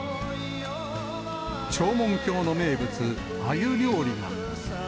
長門峡の名物、あゆ料理が。